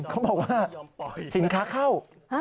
เขาบอกว่าสินค้าเข้า